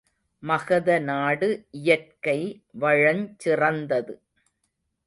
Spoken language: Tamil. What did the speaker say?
மகத நாடு இயற்கை வளஞ் சிறந்தது.